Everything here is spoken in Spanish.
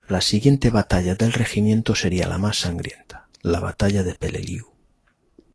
La siguiente batalla del Regimiento sería la más sangrienta, la Batalla de Peleliu.